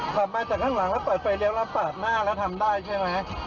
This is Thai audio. ขับมาจากข้างหลังแล้วเปิดไฟเลี้ยวแล้วปาดหน้าแล้วทำได้ใช่ไหม